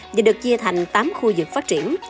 nhìn được chia thành tám khu vực phát triển